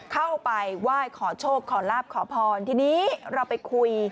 เข้าไปไหว้ขอโชคขอลาบขอพรทีนี้เราไปคุย